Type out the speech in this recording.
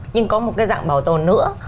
nhưng có một cái dạng bảo tồn nữa